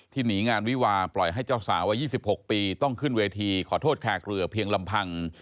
หนีงานวิวาปล่อยให้เจ้าสาววัย๒๖ปีต้องขึ้นเวทีขอโทษแขกเรือเพียงลำพัง